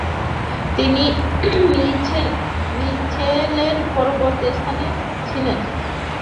তিনি মিচেলের পরবর্তী স্থানে ছিলেন।